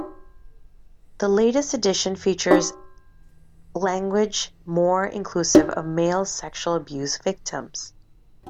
The latest edition features language more inclusive of male sexual abuse victims.